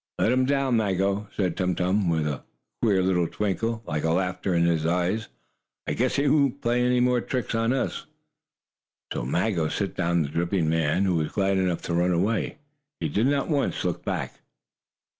"Let him down now, Maggo," said Tum Tum, with a queer little twinkle, like laughter, in his eyes. "I guess he won't want to play any more tricks." Maggo set down the dripping man, who was glad enough to run away. He did not once look back.